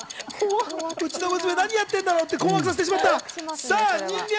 うちの娘、何してしまってるんだろうと困惑してしまった。